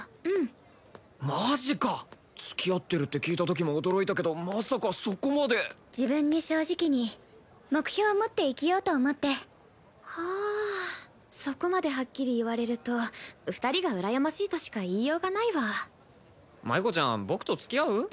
うんマジか付き合ってるって聞いたときも驚いたけどまさかそこまで自分に正直に目標を持って生きようと思ってはあそこまではっきり言われると２人がうらやましいとしか言いようがないわ麻衣子ちゃん僕と付き合う？